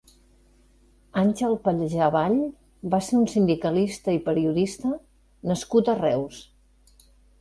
Àngel Pallejà Vall va ser un sindicalista i periodista nascut a Reus.